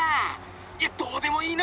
いやどうでもいいな！